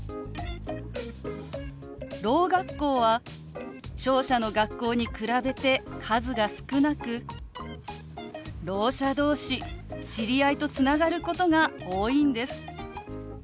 ろう学校は聴者の学校に比べて数が少なくろう者同士知り合いとつながることが多いんです。